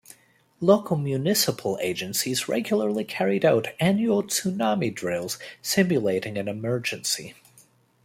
Local municipal agencies regularly carried out annual tsunami drills simulating an emergency.